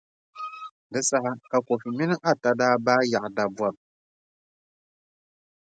Di saha ka Kofi mini Atta daa baai yaɣi dabɔbʼ.